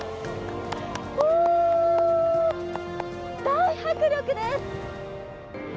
大迫力です！